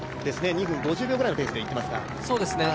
２分５０秒ぐらいのペースでいってますが。